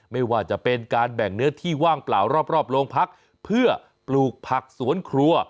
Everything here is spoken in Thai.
ไม่ว่าจะเป็นการแบ่งเนื้อที่ว่างเปล่ารอบโรงพักเพื่อปลูกผักสวนครัว